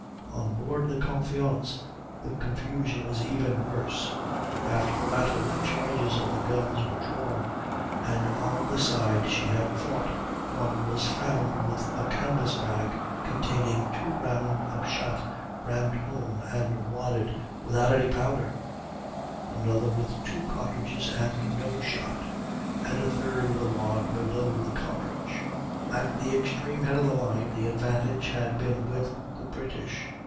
On board the Confiance the confusion was even worse: after the battle the charges of the guns were drawn, and on the side she had fought one was found with a canvas bag containing two round of shot rammed home and wadded without any powder; another with two cartridges and no shot; and a third with a wad below the cartridge. At the extreme head of the line the advantage had been with the British.